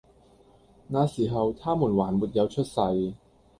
那時候，他們還沒有出世，